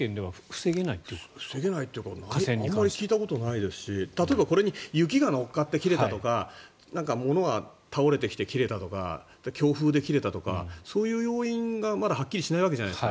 防げないというかあまり聞いたことないし例えば、雪が乗っかって切れたとか物が倒れてきて切れたとか強風で切れたとかそういう要因がまだはっきりしないわけじゃないですか。